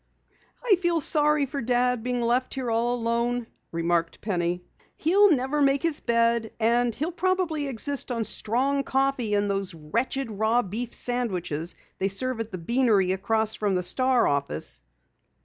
"I feel sorry for Dad being left here alone," remarked Penny. "He'll never make his bed, and he'll probably exist on strong coffee and those wretched raw beef sandwiches they serve at the beanery across from the Star office."